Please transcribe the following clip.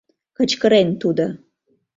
— кычкырен тудо.